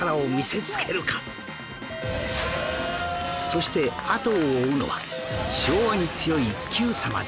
そして後を追うのは昭和に強い『Ｑ さま！！』